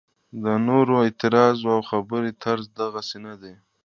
د نورو اعتراض او خبرې طرز دغسې نه دی.